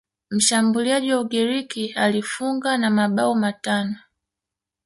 mshambuliaji wa ugiriki alifunga na mabao matano